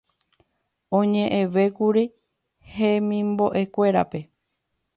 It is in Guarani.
oñe'ẽvékuri hemimbo'ekuérape